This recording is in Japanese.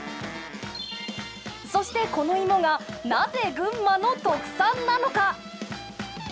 そしてこの芋がなぜ群馬の特産なのか？